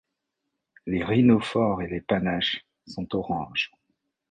Les rhinophores et les panaches sont orange.